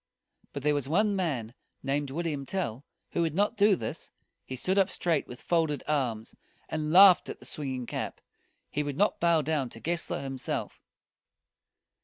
But there was one man, named William Tell, who would not do this. He stood up straight with folded arms, and laughed at the swinging cap. He would not bow down to Gessler himself.